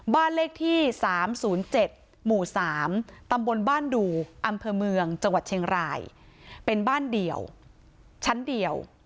บ้านเลขที่๓๐๗หมู่๓ตำบลบ้านดูอำเภอเมืองจังหวัดเชียงรายเป็นบ้านเดียวชั้นเดียว